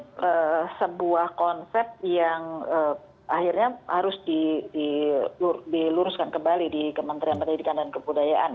ini adalah sebuah konsep yang akhirnya harus diluruskan kembali di kementerian pendidikan dan kebudayaan